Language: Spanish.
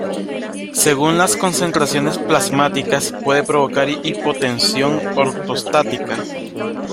Según las concentraciones plasmáticas, puede provocar hipotensión ortostática.